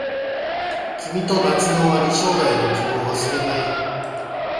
君と夏の終わり将来の希望忘れない